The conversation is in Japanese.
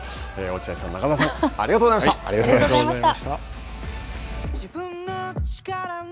落合さん、中澤さんありがとうございました。